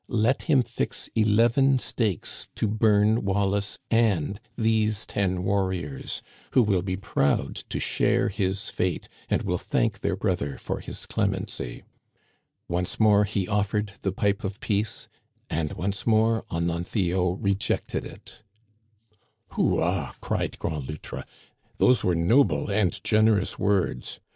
Let him fix eleven stakes to bum Wallace and these ten warri ors, who will be proud to share his fate and will thank their brother for his clemency.' Once more he offered Digitized by VjOOQIC 188 '^HE CANADIANS OF OLD. the pipe of peace, and once more Ononthio rejected it" " Houa !" cried Grand Loutre, those were noble and generous words.